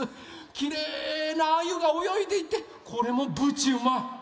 きれいなアユがおよいでいてこれもぶちうまい！